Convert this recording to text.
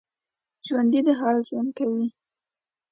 ژوندي د حال ژوند کوي